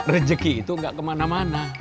rezeki itu gak kemana mana